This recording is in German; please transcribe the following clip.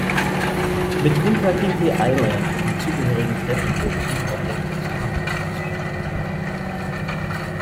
Mit Kunta Kinteh Island und zugehörige Stätten wurden sieben Objekte zusammengefasst.